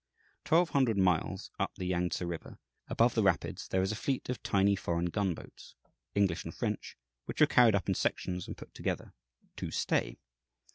Twelve hundred miles up the Yangtse River, above the rapids, there is a fleet of tiny foreign gunboats, English and French, which were carried up in sections and put together "to stay."